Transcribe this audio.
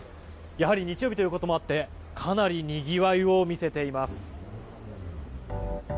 やはり日曜日ということもあってかなりにぎわいを見せています。